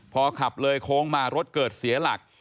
พอขับเลยโค้งมารถเกิดเสียหลัก